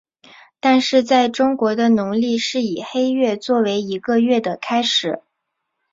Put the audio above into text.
但是在中国的农历是以黑月做为一个月的开始。